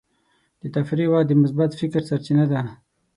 د تفریح وخت د مثبت فکر سرچینه ده.